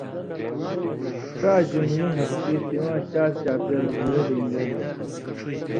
ڇا جُمعی (ہفتی) سِواں چارچاپېر گھېرہ رِنگائ۔